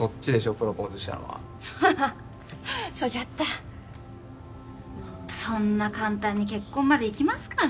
プロポーズしたのはハハハそじゃったそんな簡単に結婚までいきますかね？